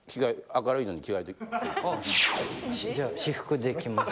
じゃあ私服で来ます。